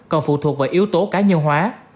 còn phụ thuộc vào yếu tố cá nhân hóa